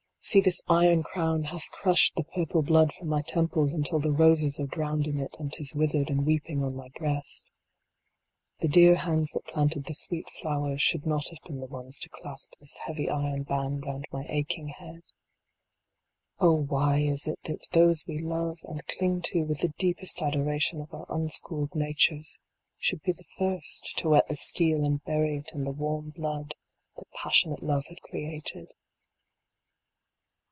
see this iron crown hath crushed the purple blood from my temples until the roses are drowned in it and tis withered and weeping on my breast The dear hands that planted the sweet flowers should not have been the ones to clasp this heavy iron band round my aching head. Oh why is it that those we love and cling to with the deepest adoration of our unschooled natures should be the first to whet the steel and bury it in the warm blood that passionate love had created